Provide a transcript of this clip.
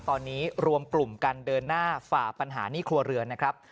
ตอนนี้รวมกลุ่มกันเดินหน้าฝ่าปัญหาหนี้ครัวเรือนนะครับ